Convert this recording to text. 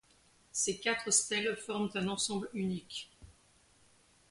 Ces quatre stèles forment un ensemble unique.